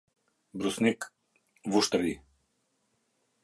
Brusnik, Vushtrri